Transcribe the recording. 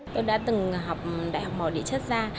tôi đã từng học đại học mỏ địa chất ra